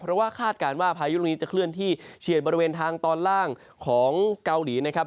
เพราะว่าคาดการณ์ว่าพายุลูกนี้จะเคลื่อนที่เฉียดบริเวณทางตอนล่างของเกาหลีนะครับ